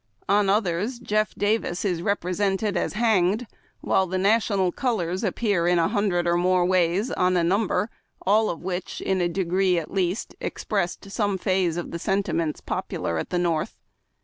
On others Jeff Davis is represented as hanged ; while the national colors appear in a hundred or more ways on a number — all of which, in a degree at least, expressed, some phase of the sentiments poj)ular at the North.